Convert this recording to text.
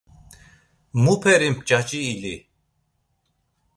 Muperi mç̌aci ili?